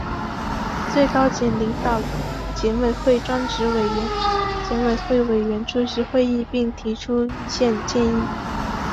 最高检领导、检委会专职委员、检委会委员出席会议并提出意见建议